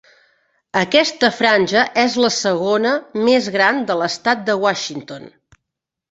Aquesta franja és la segona més gran de l'estat de Washington.